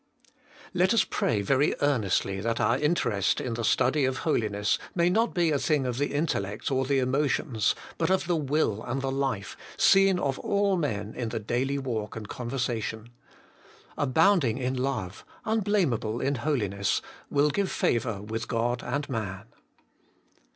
7. Let us pray very earnestly that our Interest In the study of holiness may not be a thing of the intellect or the emotions, but of the will ana the life, seen of all men in the daily walk and conversation . 'Abounding in hue,' ' unblameable in holiness,' will give favour with God and man.